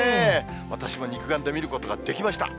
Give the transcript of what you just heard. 私も肉眼で見ることができました。